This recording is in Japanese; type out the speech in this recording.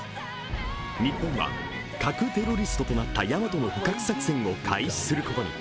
日本は核テロリストとなった「やまと」の捕獲作戦を開始することに。